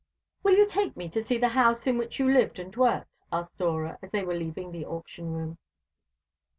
"Will you take me to see the house in which you lived and worked?" asked Dora, as they were leaving the auction room.